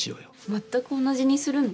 全く同じにするの？